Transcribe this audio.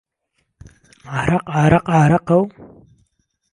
عارهق عارهق عارهقه و